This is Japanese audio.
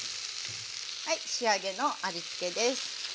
はい仕上げの味つけです。